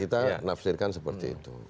kita nafsirkan seperti itu